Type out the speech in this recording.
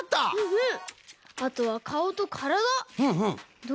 うん。